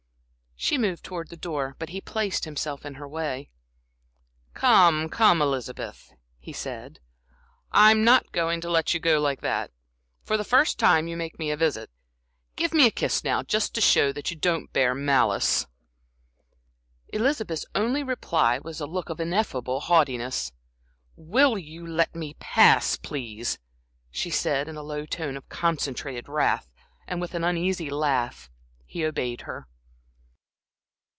She moved towards the door, but he placed himself in her way. "Come, come, Elizabeth," he said. "I'm not going to let you go like that the first time you make me a visit. Give me a kiss now, just to show that you don't bear malice." Elizabeth's only reply was a look of ineffable haughtiness. "Will you let me pass, please?" she said, in a low tone of concentrated wrath, and with an uneasy laugh, he obeyed her.